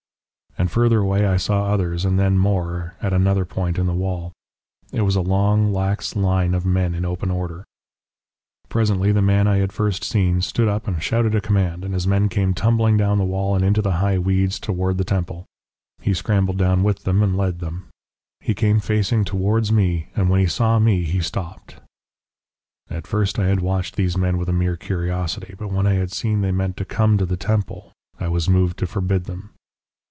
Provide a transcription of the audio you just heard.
"And further away I saw others and then more at another point in the wall. It was a long lax line of men in open order. "Presently the man I had first seen stood up and shouted a command, and his men came tumbling down the wall and into the high weeds towards the temple. He scrambled down with them and led them. He came facing towards me, and when he saw me he stopped. "At first I had watched these men with a mere curiosity, but when I had seen they meant to come to the temple I was moved to forbid them.